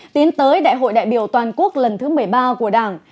tiến tới đại hội đại biểu toàn quốc lần thứ một mươi ba của đảng